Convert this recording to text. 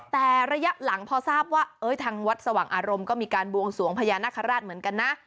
แต่ระยะหลังพอทราบว่าทางวัดสว่างอารมณ์ก็มีการบวงสวงพญานาคาราชเหมือนกันนะ